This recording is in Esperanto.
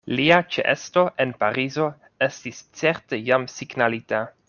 Lia ĉeesto en Parizo estis certe jam signalita.